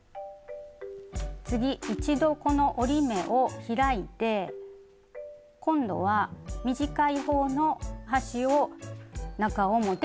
次一度この折り目を開いて今度は短い方の端を中表に合わせます。